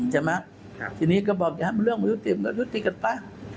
ทีนี้ก็บอกอย่าทำเรื่องมันยุติกันปะ